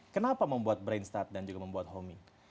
kenapa membuat brainstart dan juga membuat home